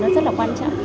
rất là quan trọng